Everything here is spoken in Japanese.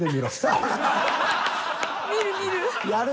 見る見る。